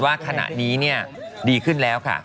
ว่าขณะนี้ดีขึ้นแล้วค่ะ